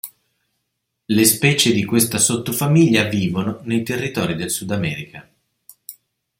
Le specie di questa sottofamiglia vivono nei territori del Sudamerica.